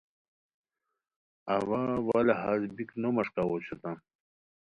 اوا وا لہاز بیک نو مݰکاؤ اوشوتام